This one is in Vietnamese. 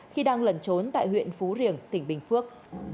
khi đang lẩn trốn tại huyện phú riềng tỉnh bình phước